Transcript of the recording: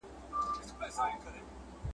چي د پیغلوټو په ټالونو ښایستې وي وني ..